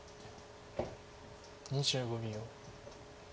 ２５秒。